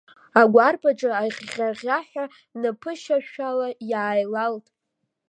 Агәарԥ аҿы аӷьӷьа-гәгәаҳәа напышьашәала иааилалт.